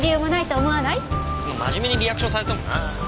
真面目にリアクションされてもなあ。